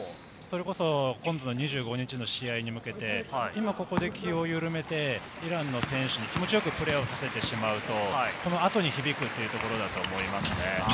今度の２５日の試合に向けて、今ここで気をゆるめて、イランの選手に気持ちよくプレーさせてしまうと、この後に響くというところだと思いますね。